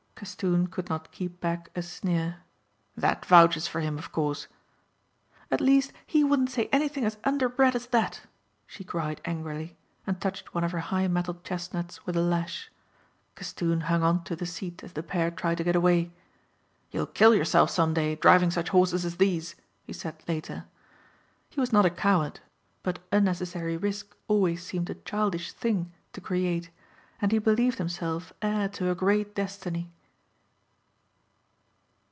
Castoon could not keep back a sneer. "That vouches for him of course." "At least he wouldn't say anything as underbred as that," she cried angrily, and touched one of her high mettled chestnuts with a lash. Castoon hung on to the seat as the pair tried to get away. "You'll kill yourself some day driving such horses as these," he said later. He was not a coward; but unnecessary risk always seemed a childish thing to create and he believed himself heir to a great destiny.